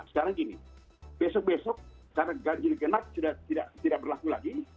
sekarang gini besok besok karena ganjil genap sudah tidak berlaku lagi